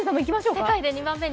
世界で２番目に。